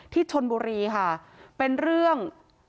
ที่ชนบุรีค่ะเป็นเรื่อง